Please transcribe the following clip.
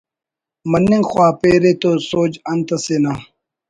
مننگ خواپیرے توسوچ انت اسے نا